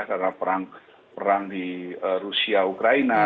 karena perang di rusia ukraina